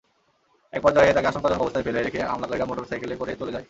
একপর্যায়ে তাঁকে আশঙ্কাজনক অবস্থায় ফেলে রেখে হামলাকারীরা মোটরসাইকেলে করে চলে যায়।